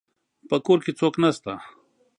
په کور کي څوک نسته